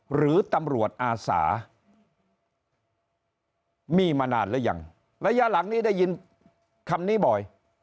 หรือตำรวจอาสามีมานานหรือยังระยะหลังนี้ได้ยินคำนี้บ่อย